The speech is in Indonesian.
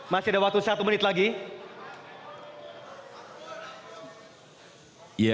masih ada waktu satu menit lagi